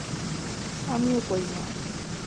আমিও করি না।